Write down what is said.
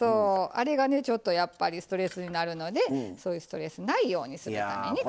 あれがねちょっとやっぱりストレスになるのでそういうストレスないようにするために。